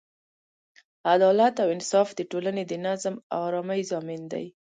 عدالت او انصاف د ټولنې د نظم او ارامۍ ضامن دی.